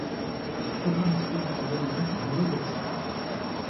Ce programme diffuse un tour d'horizon des nouvelles de la semaine.